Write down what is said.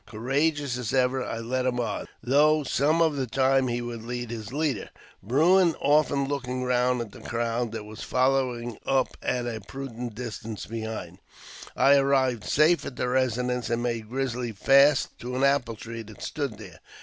Courageous as ever, I led him on, though some of the time he would lead his leader, Bruin often looking round at the ^ AUTOBIOGBAPHY OF JAMES P. BECKWOUBTH. crowd that was following up at a prudent distance behind. I arrived safe at the residence, and made Grizzly fast to an apple tree that stood there.